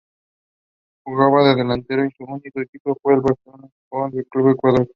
Jugaba de delantero y su único equipo fue el Barcelona Sporting Club de Ecuador.